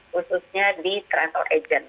khususnya di transfer agent